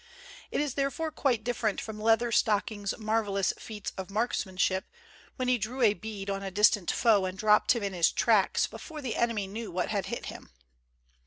It is therefore quite different from Leatherstocking's marvelous feats of marksman ship, when he drew a bead on a distant foe and dropped him in his tracks before the enemy knew what had hit him.